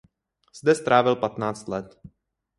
Zde strávil patnáct let.